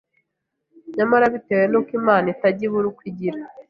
Nyamara bitewe n’uko Imana itajya ibura uko igira